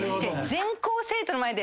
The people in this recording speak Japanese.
全校生徒の前で。